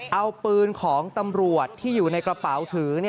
เอาปืนของตำรวจที่อยู่ในกระเป๋าถือ